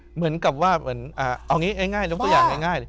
เหมือนกับว่าเอางี้ง่ายเรียกตัวอย่างง่าย